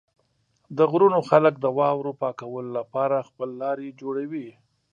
د غرونو خلک د واورو پاکولو لپاره خپل لارې جوړوي.